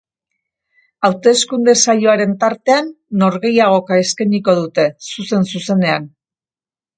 Hauteskunde saioaren tartean, norgehiagoka eskainiko dute, zuzen-zuzenean.